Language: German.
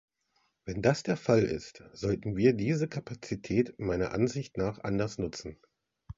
Wenn das der Fall ist, sollten wir diese Kapazität meiner Ansicht nach anders nutzen.